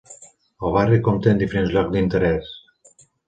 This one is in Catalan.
El barri compta en diferents llocs d'interés.